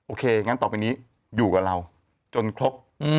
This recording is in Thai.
โอเคงั้นต่อไปนี้อยู่กับเราจนครบ